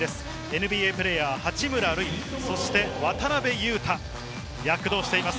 ＮＢＡプレーヤー・八村塁、そして渡邊雄太、躍動しています。